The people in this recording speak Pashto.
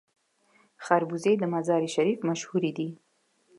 خربوزې د مزار مشهورې دي